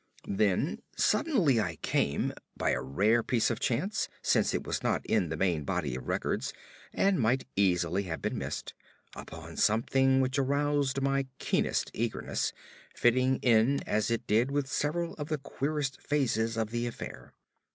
Then suddenly I came by a rare piece of chance, since it was not in the main body of records and might easily have been missed upon something which aroused my keenest eagerness, fitting in as it did with several of the queerest phases of the affair.